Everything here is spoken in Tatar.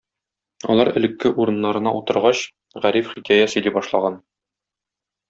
Алар элекке урыннарына утыргач, Гариф хикәя сөйли башлаган